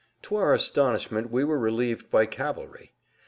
To our astonishment we were relieved by cavalry.